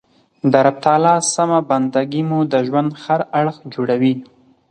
د رب تعالی سمه بنده ګي مو د ژوند هر اړخ جوړوي.